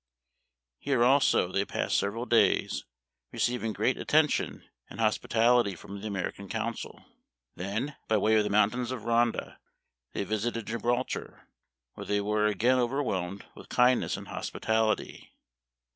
Here, also, they passed several days, receiving great attention and hospitality from the American Consul. Then, by way of the mountains of Ronda, they visited Gibraltar, where they were again overwhelmed with kind ness and hospitality.